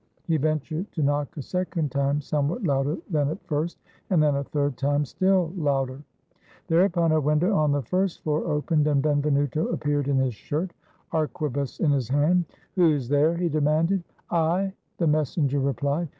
He ventured to knock a second time somewhat louder than at first, and then a third time, still louder. Thereupon a window on the first floor opened, and Benvenuto appeared in his shirt, arquebus in his hand. "Who's there?" he demanded. "I," the messenger replied.